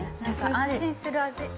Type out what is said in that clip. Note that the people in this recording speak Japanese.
安心する味。